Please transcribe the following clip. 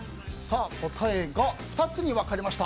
答えが２つに分かれました。